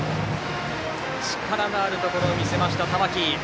力のあるところを見せました玉木。